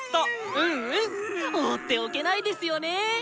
うんうん放っておけないですよね。